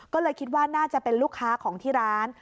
ก็เลยคิดว่าน่าจะเป็นลูกค้าของที่ร้าน